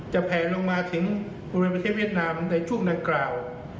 แผลลงมาถึงบริเวณประเทศเวียดนามในช่วงดังกล่าว